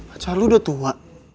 acar lu udah tua